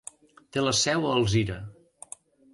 Té la seu a Alzira.